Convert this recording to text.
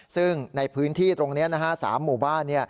ซึ่งในพื้นที่ตรงนี้๓หมู่บ้าน